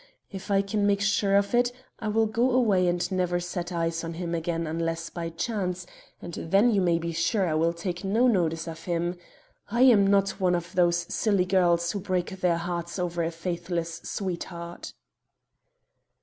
If I can make sure of it, I will go away and never set eyes on him again unless by chance, and then you may be sure I will take no notice of him. I am not one of those silly girls who break their hearts over a faithless sweetheart."